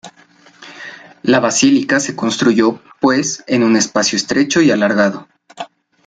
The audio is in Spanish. La basílica se construyó, pues, en un espacio estrecho y alargado.